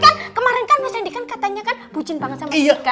kan kemarin kan mas randy katanya kan bucin banget sama si kiki kan